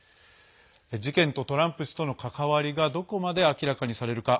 事件とトランプ氏との関わりがどこまで明らかにされるか。